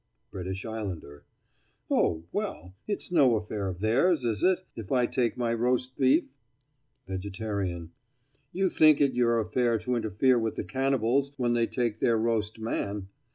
BRITISH ISLANDER: Oh, well, it's no affair of theirs, is it, if I take my roast beef? VEGETARIAN: Yet you think it your affair to interfere with the cannibals when they take their roast man.